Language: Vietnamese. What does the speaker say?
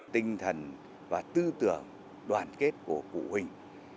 tinh thần và tư tưởng đoàn kết của cụ huỳnh